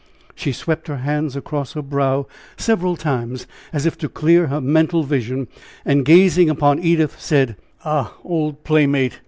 She swept her hands across her brow several times, as if to clear her mental vision, and gazing upon Edith, said: "Ah! old playmate!